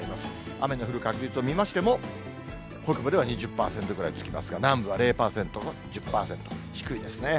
雨の降る確率を見ましても、北部では２０％ぐらいつきますが、南部は０％、１０％、低いですね。